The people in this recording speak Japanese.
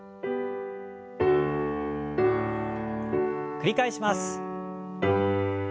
繰り返します。